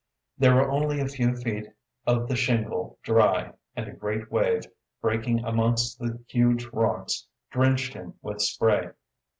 There were only a few feet of the shingle dry, and a great wave, breaking amongst the huge rocks, drenched him with spray.